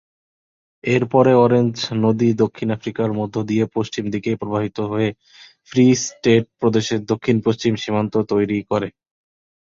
এর পরে অরেঞ্জ নদী দক্ষিণ আফ্রিকার মধ্য দিয়ে পশ্চিম দিকে প্রবাহিত হয়ে ফ্রি স্টেট প্রদেশের দক্ষিণ-পশ্চিম সীমান্ত তৈরি করে।